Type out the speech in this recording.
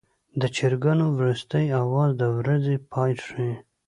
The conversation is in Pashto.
د چرګانو وروستی اواز د ورځې پای ښيي.